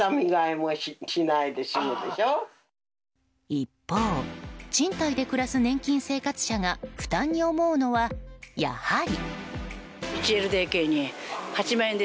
一方、賃貸で暮らす年金生活者が負担に思うのは、やはり。